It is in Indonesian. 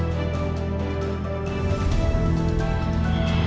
salam bau ikan nasi